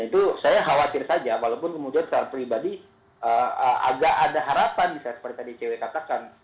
itu saya khawatir saja walaupun kemudian secara pribadi agak ada harapan misalnya seperti tadi icw katakan